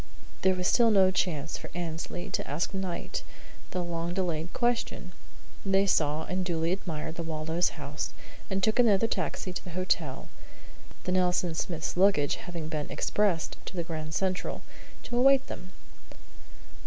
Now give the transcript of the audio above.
There was still no chance for Annesley to ask Knight the long delayed question. They saw and duly admired the Waldos' house, and took another taxi to the hotel, the Nelson Smiths' luggage having been "expressed" to the Grand Central, to await them.